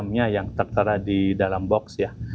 dan jamnya yang tertara di dalam box ya